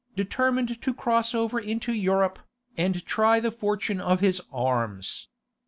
determined to cross over into Europe, and try the fortune of his arms.